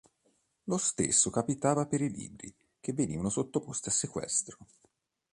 Lo stesso capitava per i libri che venivano sottoposti a sequestro.